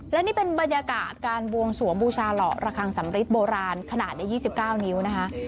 และนี่เป็นบรรยากาศการบวงสวงบูชาหล่อระคังสำริดโบราณขนาด๒๙นิ้วนะคะ